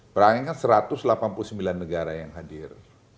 berangkat satu ratus delapan puluh sembilan negara yang hadir